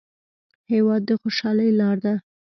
هېواد د خوشحالۍ لار ده.